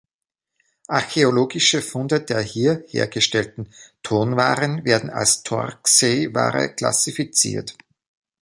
Archäologische Funde der hier hergestellten Tonwaren werden als Torksey-Ware klassifiziert.